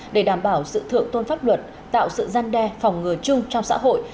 để đảm bảo sự thượng tôn pháp luật tạo sự gian đe phòng ngừa chung trong xã hội